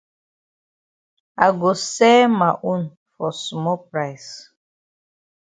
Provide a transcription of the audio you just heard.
I go sell ma own for small price.